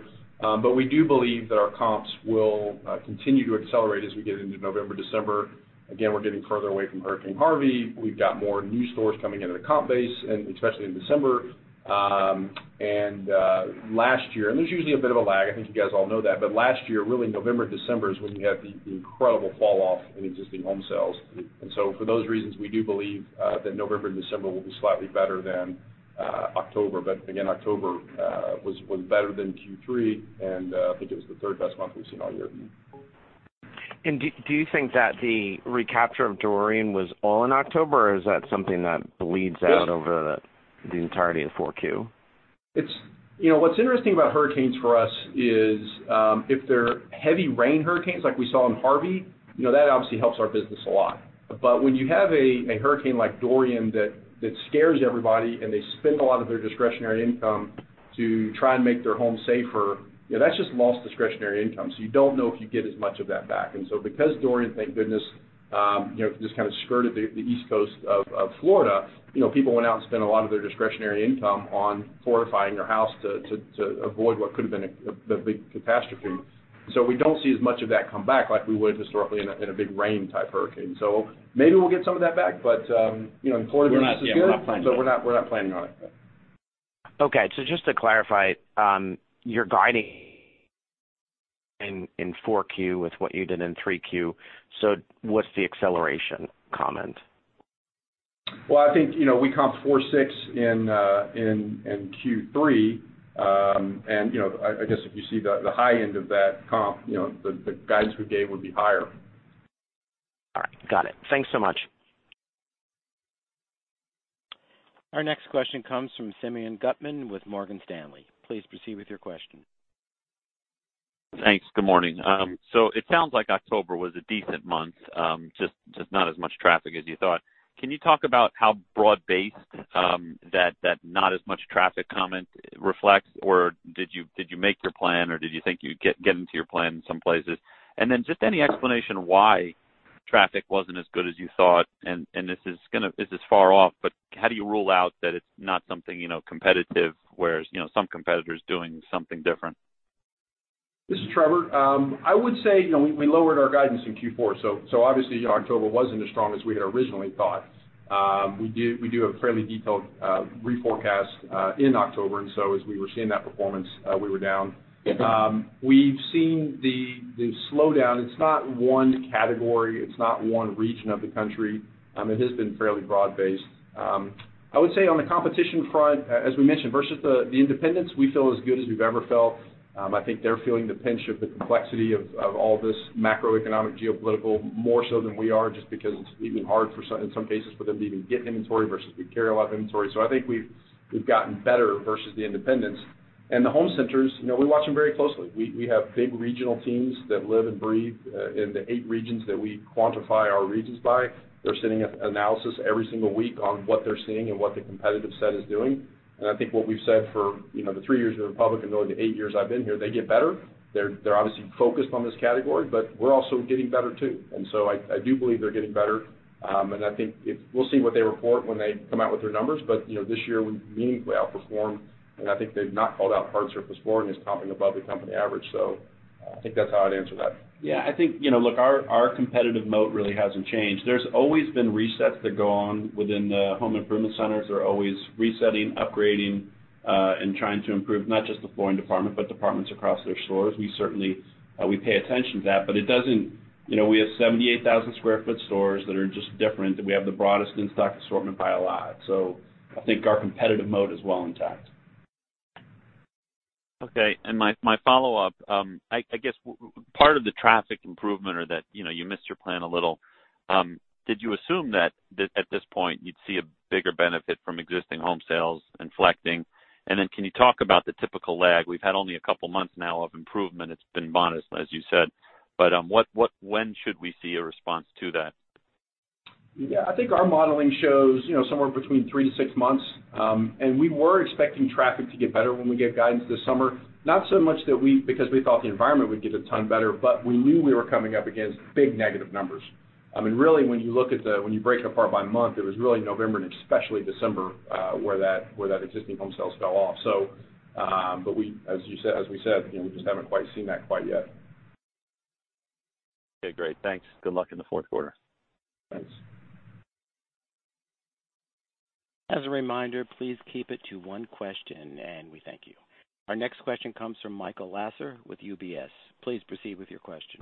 We do believe that our comps will continue to accelerate as we get into November, December. Again, we're getting further away from Hurricane Harvey. We've got more new stores coming into the comp base, and especially in December. There's usually a bit of a lag. I think you guys all know that. Last year, really, November, December is when you had the incredible fall-off in existing home sales. For those reasons, we do believe that November and December will be slightly better than October. Again, October was better than Q3, and I think it was the third-best month we've seen all year. Do you think that the recapture of Dorian was all in October, or is that something that bleeds out over the entirety of 4Q? What's interesting about hurricanes for us is, if they're heavy rain hurricanes like we saw in Harvey, that obviously helps our business a lot. When you have a hurricane like Dorian that scares everybody and they spend a lot of their discretionary income to try and make their home safer, that's just lost discretionary income. You don't know if you get as much of that back. Because Dorian, thank goodness, just skirted the east coast of Florida, people went out and spent a lot of their discretionary income on fortifying their house to avoid what could have been a big catastrophe. We don't see as much of that come back like we would historically in a big rain-type hurricane. Maybe we'll get some of that back, but employment is still good. We're not planning on it. We're not planning on it. Okay, just to clarify, you're guiding in 4Q with what you did in 3Q. What's the acceleration comment? Well, I think we comped 4.6 in Q3. I guess if you see the high end of that comp, the guidance we gave would be higher. All right. Got it. Thanks so much. Our next question comes from Simeon Gutman with Morgan Stanley. Please proceed with your question. Thanks. Good morning. It sounds like October was a decent month, just not as much traffic as you thought. Can you talk about how broad-based that not as much traffic comment reflects? Did you make your plan, or did you think you'd get into your plan in some places? Just any explanation why traffic wasn't as good as you thought, and this is far off, but how do you rule out that it's not something competitive, whereas some competitor's doing something different? This is Trevor. I would say we lowered our guidance in Q4. Obviously October wasn't as strong as we had originally thought. We do a fairly detailed reforecast in October. As we were seeing that performance, we were down. Okay. We've seen the slowdown. It's not one category. It's not one region of the country. It has been fairly broad-based. I would say on the competition front, as we mentioned, versus the independents, we feel as good as we've ever felt. I think they're feeling the pinch of the complexity of all this macroeconomic geopolitical more so than we are, just because it's even hard, in some cases, for them to even get inventory versus we carry a lot of inventory. I think we've gotten better versus the independents. The home centers, we watch them very closely. We have big regional teams that live and breathe in the eight regions that we quantify our regions by. They're sending an analysis every single week on what they're seeing and what the competitive set is doing. I think what we've said for the three years we were public, and really the eight years I've been here, they get better. They're obviously focused on this category, but we're also getting better too. I do believe they're getting better. I think we'll see what they report when they come out with their numbers. This year, we meaningfully outperformed, and I think they've not called out hard surface flooring as topping above the company average. I think that's how I'd answer that. Yeah. I think, look, our competitive moat really hasn't changed. There's always been resets that go on within the home improvement centers. They're always resetting, upgrading, and trying to improve, not just the flooring department, but departments across their stores. We certainly pay attention to that, but we have 78,000 sq ft stores that are just different, and we have the broadest in-stock assortment by a lot. I think our competitive moat is well intact. Okay, my follow-up, I guess part of the traffic improvement or that you missed your plan a little, did you assume that at this point you'd see a bigger benefit from existing home sales inflecting? Can you talk about the typical lag? We've had only a couple of months now of improvement. It's been modest, as you said. When should we see a response to that? Yeah. I think our modeling shows somewhere between three to six months. We were expecting traffic to get better when we gave guidance this summer, not so much because we thought the environment would get a ton better, but we knew we were coming up against big negative numbers. Really, when you break it apart by month, it was really November and especially December, where that existing home sales fell off. As we said, we just haven't quite seen that quite yet. Okay, great. Thanks. Good luck in the fourth quarter. Thanks. As a reminder, please keep it to one question, and we thank you. Our next question comes from Michael Lasser with UBS. Please proceed with your question.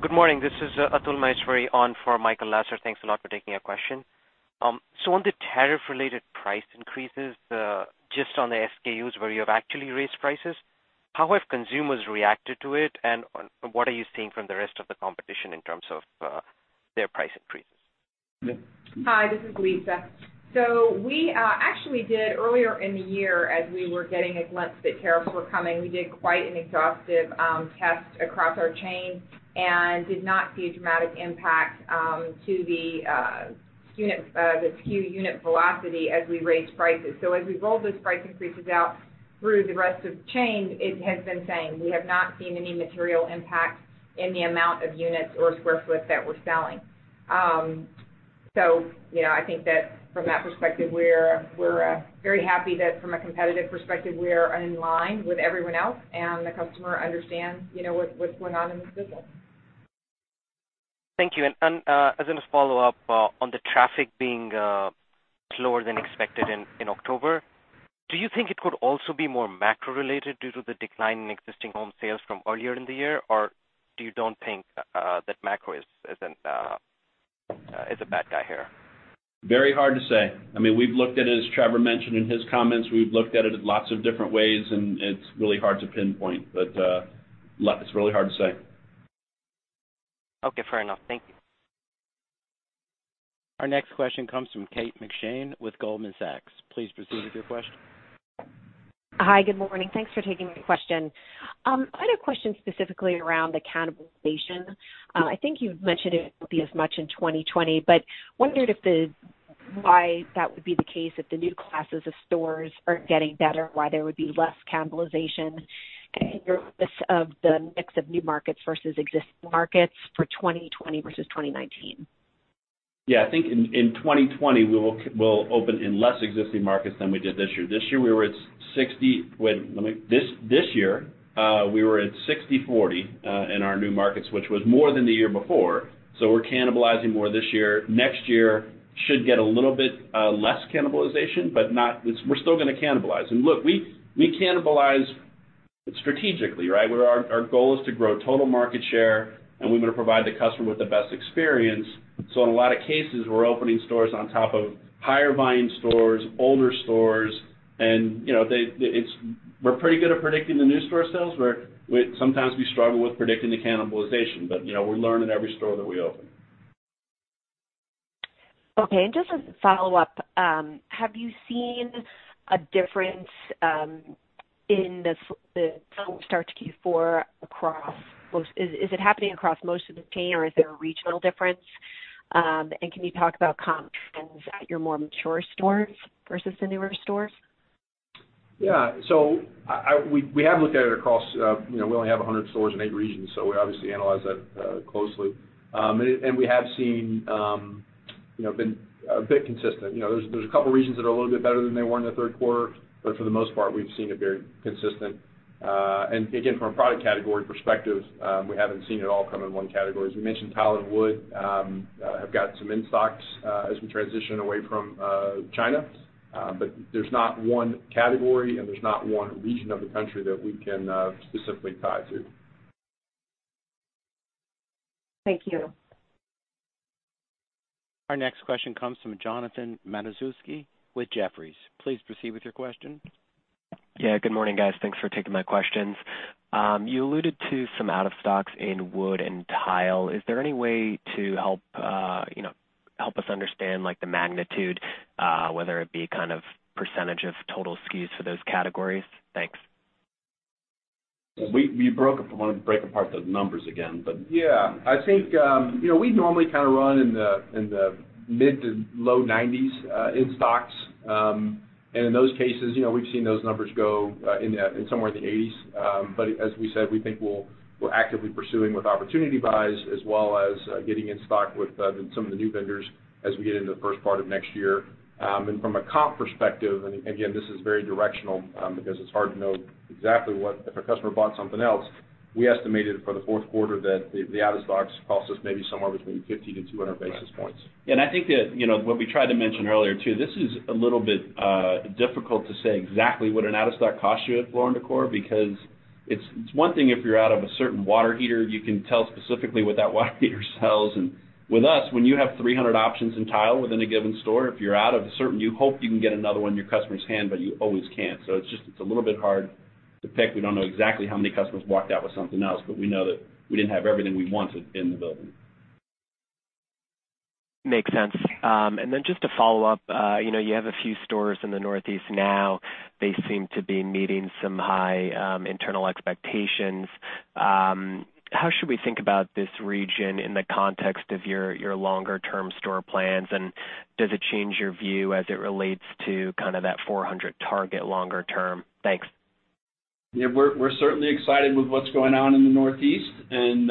Good morning. This is Atul Maheshwari on for Michael Lasser. Thanks a lot for taking our question. On the tariff related price increases, just on the SKUs where you have actually raised prices, how have consumers reacted to it, and what are you seeing from the rest of the competition in terms of their price increases? Lisa. Hi, this is Lisa. We actually did, earlier in the year, as we were getting a glimpse that tariffs were coming, we did quite an exhaustive test across our chain and did not see a dramatic impact to the SKU unit velocity as we raised prices. As we rolled those price increases out through the rest of the chain, it has been saying we have not seen any material impact in the amount of units or square foot that we're selling. I think that from that perspective, we're very happy that from a competitive perspective, we are in line with everyone else and the customer understands what's going on in this business. Thank you. As a follow-up on the traffic being slower than expected in October, do you think it could also be more macro-related due to the decline in existing home sales from earlier in the year? Do you don't think that macro is a bad guy here? Very hard to say. We've looked at it, as Trevor mentioned in his comments. We've looked at it lots of different ways, and it's really hard to pinpoint. It's really hard to say. Okay, fair enough. Thank you. Our next question comes from Kate McShane with Goldman Sachs. Please proceed with your question. Hi, good morning. Thanks for taking my question. I had a question specifically around the cannibalization. I think you've mentioned it won't be as much in 2020, but wondered why that would be the case if the new classes of stores are getting better, why there would be less cannibalization in your office of the mix of new markets versus existing markets for 2020 versus 2019. Yeah, I think in 2020, we'll open in less existing markets than we did this year. This year, we were at 60/40 in our new markets, which was more than the year before. We're cannibalizing more this year. Next year should get a little bit less cannibalization, but we're still going to cannibalize. Look, we cannibalize strategically, right? Where our goal is to grow total market share, and we want to provide the customer with the best experience. In a lot of cases, we're opening stores on top of higher buying stores, older stores, and we're pretty good at predicting the new store sales. Sometimes we struggle with predicting the cannibalization, but we're learning every store that we open. Okay, just as a follow-up, have you seen a difference in the Q4? Is it happening across most of the chain, or is there a regional difference? Can you talk about comp trends at your more mature stores versus the newer stores? Yeah. We have looked at it across, we only have 100 stores in eight regions, so we obviously analyze that closely. We have seen, been a bit consistent. There's a couple of regions that are a little bit better than they were in the third quarter, but for the most part, we've seen it very consistent. Again, from a product category perspective, we haven't seen it all come in one category. As we mentioned, tile and wood have got some in-stocks as we transition away from China. There's not one category and there's not one region of the country that we can specifically tie to. Thank you. Our next question comes from Jonathan Matuszewski with Jefferies. Please proceed with your question. Yeah. Good morning, guys. Thanks for taking my questions. You alluded to some out of stocks in wood and tile. Is there any way to help us understand, like, the magnitude, whether it be kind of percentage of total SKUs for those categories? Thanks. We want to break apart those numbers again. Yeah. I think, we normally kind of run in the mid to low 90s, in stocks. In those cases, we've seen those numbers go somewhere in the 80s. As we said, we think we're actively pursuing with opportunity buys, as well as getting in stock with some of the new vendors as we get into the first part of next year. From a comp perspective, and again, this is very directional, because it's hard to know exactly what if a customer bought something else, we estimated for the fourth quarter that the out of stocks cost us maybe somewhere between 50 to 200 basis points. I think that, what we tried to mention earlier, too, this is a little bit difficult to say exactly what an out of stock costs you at Floor & Decor because it's one thing if you're out of a certain water heater, you can tell specifically what that water heater sells. With us, when you have 300 options in tile within a given store, if you're out of a certain, you hope you can get another one in your customer's hand, you always can't. It's a little bit hard to pick. We don't know exactly how many customers walked out with something else, we know that we didn't have everything we wanted in the building. Makes sense. Then just to follow up, you have a few stores in the Northeast now. They seem to be meeting some high internal expectations. How should we think about this region in the context of your longer-term store plans, and does it change your view as it relates to kind of that 400 target longer term? Thanks. Yeah. We're certainly excited with what's going on in the Northeast, and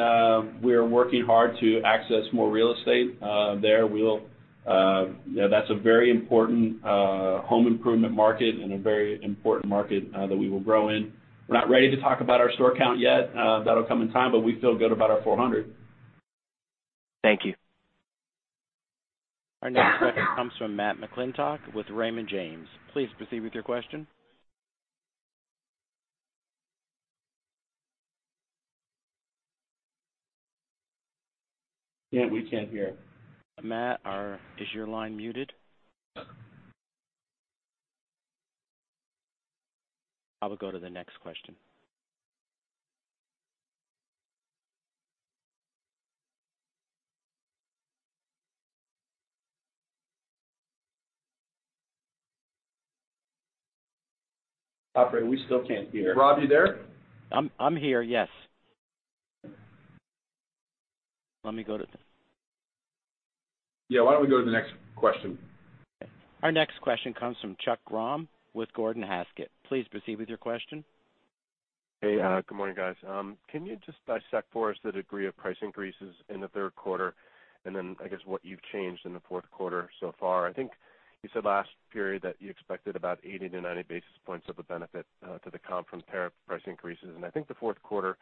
we're working hard to access more real estate there. That's a very important home improvement market and a very important market that we will grow in. We're not ready to talk about our store count yet. That'll come in time, but we feel good about our 400. Thank you. Our next question comes from Matthew McClintock with Raymond James. Please proceed with your question. Yeah, we can't hear. Matt, is your line muted? I will go to the next question. Operator, we still can't hear. Rob, you there? I'm here, yes. Let me go to. Yeah, why don't we go to the next question? Our next question comes from Chuck Grom with Gordon Haskett. Please proceed with your question. Hey, good morning, guys. Can you just dissect for us the degree of price increases in the third quarter, and then I guess what you've changed in the fourth quarter so far? I think you said last period that you expected about 80-90 basis points of a benefit to the comp from tariff price increases, and I think the fourth quarter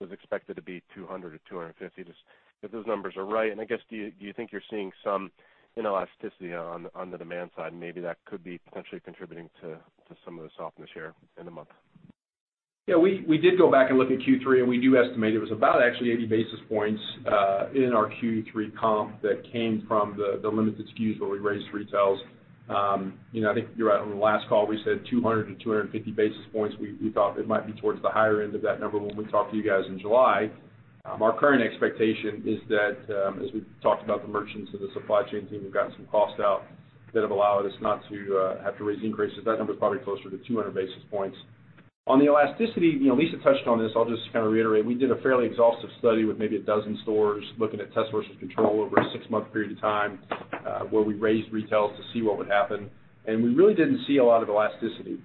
was expected to be 200-250 basis points. If those numbers are right, and I guess, do you think you're seeing some inelasticity on the demand side, and maybe that could be potentially contributing to some of the softness here in the month? Yeah, we did go back and look at Q3, and we do estimate it was about actually 80 basis points, in our Q3 comp that came from the limited SKUs where we raised retails. I think you're right. On the last call, we said 200 to 250 basis points. We thought it might be towards the higher end of that number when we talked to you guys in July. Our current expectation is that, as we've talked about the merchants and the supply chain team, we've gotten some costs out that have allowed us not to have to raise increases. That number's probably closer to 200 basis points. On the elasticity, Lisa touched on this. I'll just kind of reiterate. We did a fairly exhaustive study with maybe 12 stores, looking at test versus control over a six-month period of time, where we raised retails to see what would happen. We really didn't see a lot of elasticity.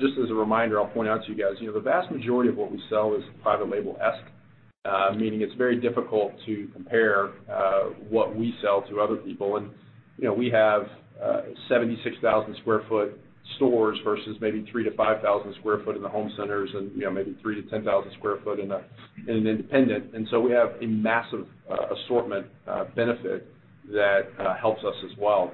Just as a reminder, I'll point out to you guys, the vast majority of what we sell is private label-esque, meaning it's very difficult to compare what we sell to other people. We have 76,000 sq ft stores versus maybe 3,000-5,000 sq ft in the home centers and maybe 3,000-10,000 sq ft in an independent. We have a massive assortment benefit that helps us as well.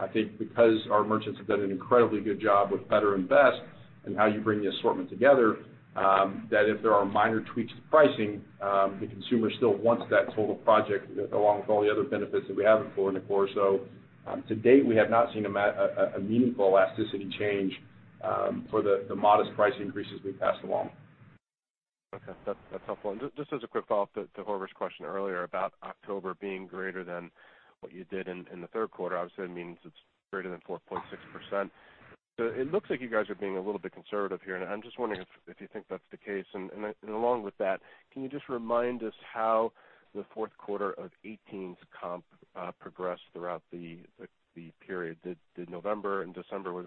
I think because our merchants have done an incredibly good job with better and best and how you bring the assortment together, that if there are minor tweaks to pricing, the consumer still wants that total project along with all the other benefits that we have at Floor & Decor. To date, we have not seen a meaningful elasticity change for the modest price increases we've passed along. That's helpful. Just as a quick follow-up to Horvers' question earlier about October being greater than what you did in the third quarter, obviously that means it's greater than 4.6%. It looks like you guys are being a little bit conservative here, and I'm just wondering if you think that's the case. Along with that, can you just remind us how the fourth quarter of 2018's comp progressed throughout the period? Did November and December, were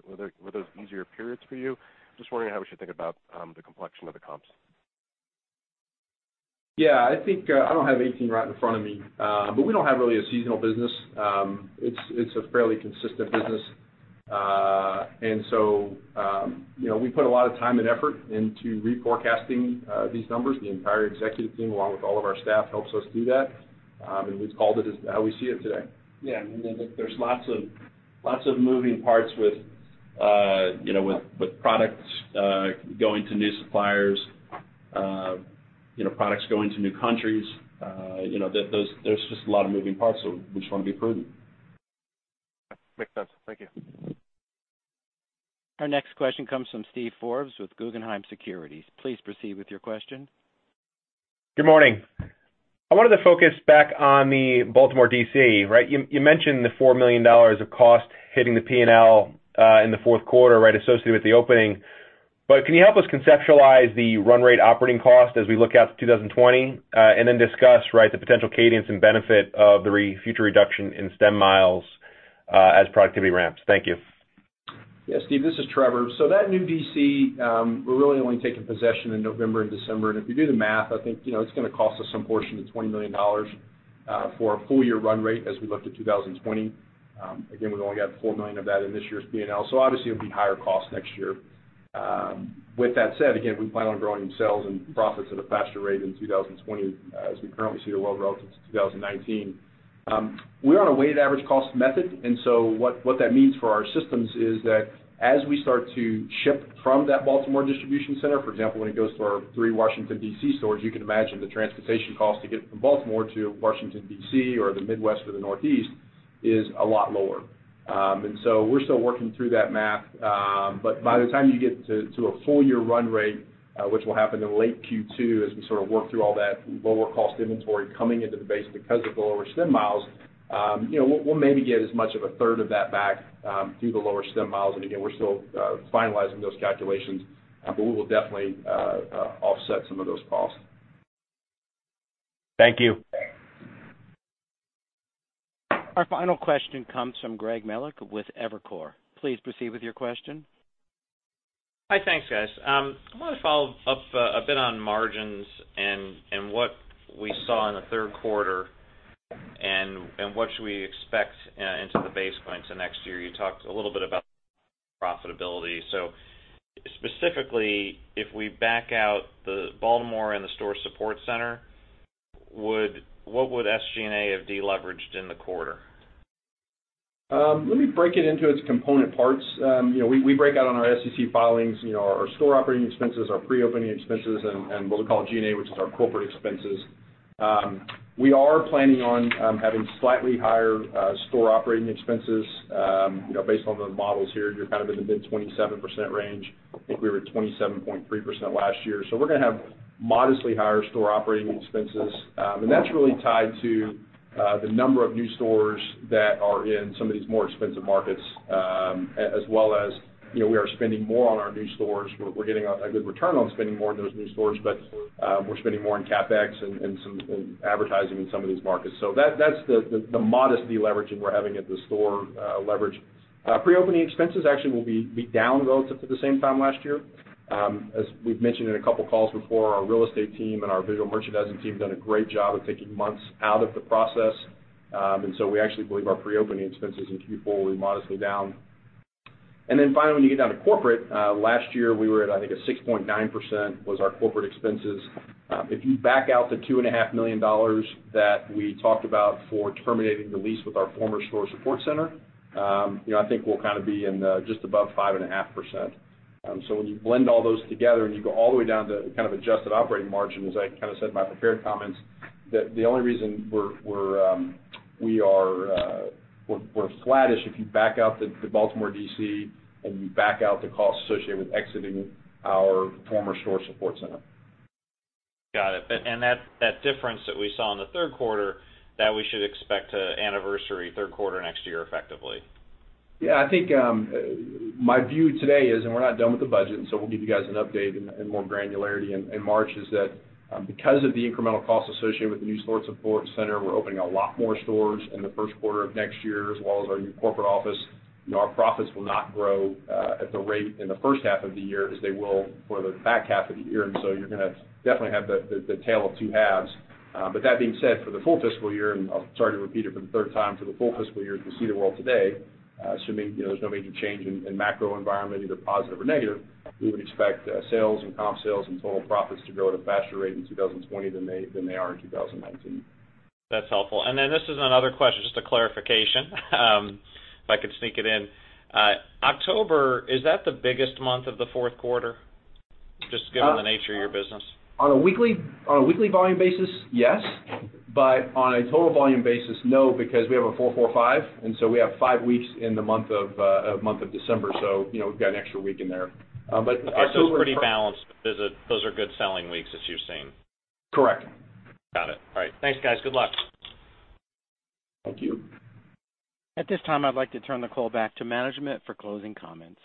those easier periods for you? Just wondering how we should think about the complexion of the comps. I don't have 2018 right in front of me. We don't have really a seasonal business. It's a fairly consistent business. We put a lot of time and effort into reforecasting these numbers. The entire executive team, along with all of our staff, helps us do that. We've called it as how we see it today. There's lots of moving parts with products going to new suppliers, products going to new countries, there's just a lot of moving parts, so we just want to be prudent. Makes sense. Thank you. Our next question comes from Steven Forbes with Guggenheim Securities. Please proceed with your question. Good morning. I wanted to focus back on the Baltimore D.C. You mentioned the $4 million of cost hitting the P&L in the fourth quarter associated with the opening. Can you help us conceptualize the run rate operating cost as we look out to 2020, and then discuss the potential cadence and benefit of the future reduction in stem miles as productivity ramps? Thank you. Yeah, Steve, this is Trevor. That new DC, we're really only taking possession in November and December. If you do the math, I think it's going to cost us some portion of $20 million for a full-year run rate as we look to 2020. Again, we've only got $4 million of that in this year's P&L, so obviously it'll be higher cost next year. With that said, again, we plan on growing sales and profits at a faster rate in 2020 as we currently see the world relative to 2019. We're on a weighted average cost method. What that means for our systems is that as we start to ship from that Baltimore distribution center, for example, when it goes to our three Washington D.C. stores, you can imagine the transportation cost to get from Baltimore to Washington D.C. or the Midwest or the Northeast is a lot lower. We're still working through that math. By the time you get to a full-year run rate, which will happen in late Q2 as we sort of work through all that lower cost inventory coming into the base because of the lower stem miles, we'll maybe get as much of a third of that back through the lower stem miles. Again, we're still finalizing those calculations, but we will definitely offset some of those costs. Thank you. Our final question comes from Greg Melich with Evercore. Please proceed with your question. Hi, thanks guys. I want to follow up a bit on margins and what we saw in the third quarter, what should we expect into the basis points of next year. You talked a little bit about profitability. Specifically, if we back out the Baltimore and the store support center, what would SGA have deleveraged in the quarter? Let me break it into its component parts. We break out on our SEC filings our store operating expenses, our pre-opening expenses, and what we call G&A, which is our corporate expenses. We are planning on having slightly higher store operating expenses. Based on the models here, you're kind of in the mid 27% range. I think we were at 27.3% last year. We're going to have modestly higher store operating expenses, and that's really tied to the number of new stores that are in some of these more expensive markets, as well as we are spending more on our new stores. We're getting a good return on spending more on those new stores, but we're spending more on CapEx and advertising in some of these markets. That's the modest deleveraging we're having at the store leverage. Pre-opening expenses actually will be down relative to the same time last year. As we've mentioned in a couple of calls before, our real estate team and our visual merchandising team have done a great job of taking months out of the process. We actually believe our pre-opening expenses in Q4 will be modestly down. Finally, when you get down to corporate, last year we were at, I think, a 6.9% was our corporate expenses. If you back out the $2.5 million that we talked about for terminating the lease with our former store support center, I think we'll be in just above 5.5%. When you blend all those together and you go all the way down to kind of adjusted operating margin, as I said in my prepared comments, the only reason we're flattish, if you back out the Baltimore D.C. and you back out the cost associated with exiting our former store support center. Got it. That difference that we saw in the third quarter, that we should expect to anniversary third quarter next year effectively. Yeah, I think my view today is, and we're not done with the budget, and so we'll give you guys an update and more granularity in March, is that because of the incremental cost associated with the new store support center, we're opening a lot more stores in the first quarter of next year as well as our new corporate office. Our profits will not grow at the rate in the first half of the year as they will for the back half of the year. You're going to definitely have the tale of two halves. That being said, for the full fiscal year, and I'm sorry to repeat it for the third time, for the full fiscal year as we see the world today, assuming there's no major change in macro environment, either positive or negative, we would expect sales and comp sales and total profits to grow at a faster rate in 2020 than they are in 2019. That's helpful. This is another question, just a clarification if I could sneak it in. October, is that the biggest month of the fourth quarter, just given the nature of your business? On a weekly volume basis, yes. On a total volume basis, no, because we have a four/four/five, and so we have five weeks in the month of December, so we've got an extra week in there. It's pretty balanced. Those are good selling weeks, as you've seen. Correct. Got it. All right. Thanks, guys. Good luck. Thank you. At this time, I'd like to turn the call back to management for closing comments.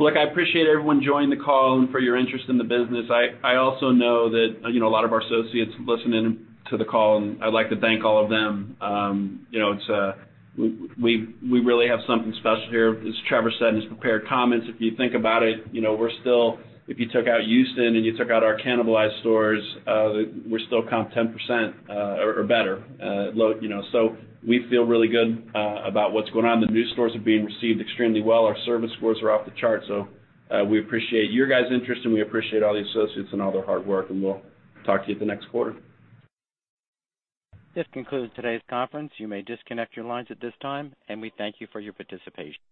I appreciate everyone joining the call and for your interest in the business. I also know that a lot of our associates listen in to the call, and I'd like to thank all of them. We really have something special here, as Trevor said in his prepared comments. If you think about it, if you took out Houston and you took out our cannibalized stores, we still comp 10% or better. We feel really good about what's going on. The new stores are being received extremely well. Our service scores are off the chart. We appreciate your guys' interest, and we appreciate all the associates and all their hard work, and we'll talk to you at the next quarter. This concludes today's conference. You may disconnect your lines at this time, and we thank you for your participation.